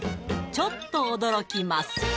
ちょっと驚きます